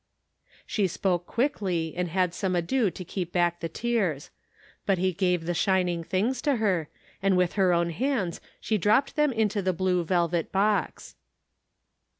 She spoke quickly, and had some ado to keep back the tears. But he gave the shin ing things to her, and with her own hands she dropped them into the blue velvet box.